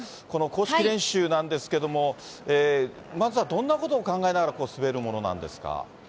この公式練習なんですけれども、まずはどんなことを考えながら滑るものなんですか？